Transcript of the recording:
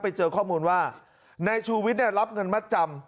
ไปเจอข้อมูลว่าในชูวิทเนี่ยรับเงินมัดจำ